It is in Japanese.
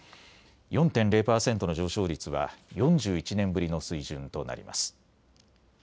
４．０％の上昇率は４１年ぶりの水準となります。